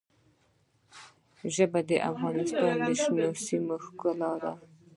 ژبې د افغانستان د شنو سیمو ښکلا ده.